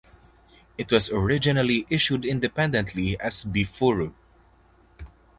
It was originally issued independently as "Bi Furu".